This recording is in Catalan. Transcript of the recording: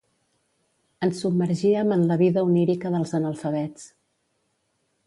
Ens submergíem en la vida onírica dels analfabets.